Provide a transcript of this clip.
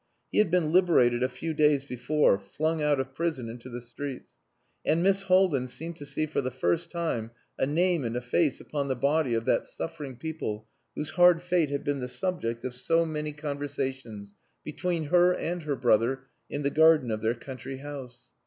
He had been liberated a few days before flung out of prison into the streets. And Miss Haldin seemed to see for the first time, a name and a face upon the body of that suffering people whose hard fate had been the subject of so many conversations, between her and her brother, in the garden of their country house.